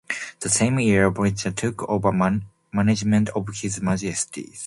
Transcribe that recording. The same year, Bourchier took over management of His Majesty's.